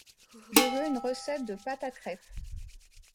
Je veux une recette de pâte à crêpes